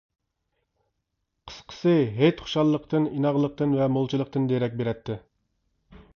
قىسقىسى، ھېيت خۇشاللىقتىن، ئىناقلىقتىن ۋە مولچىلىقتىن دېرەك بېرەتتى.